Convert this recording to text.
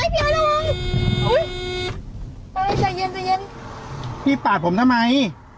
พี่ไอล์ระวังโอ้ยป่ะใจเย็นใจเย็นพี่ปาดผมทำไม